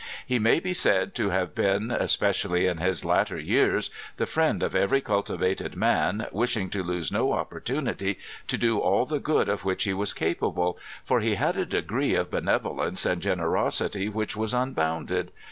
He may be said to have been, especially in his latter years, the friend of every cultivated man, wishing to lose no opportunity to do all the good of which be was capable ; for he had a degree of benevolence and generosity which was unbounded.